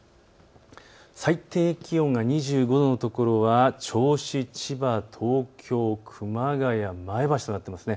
最低気温が２５度の所は銚子、千葉、東京、熊谷、前橋となっています。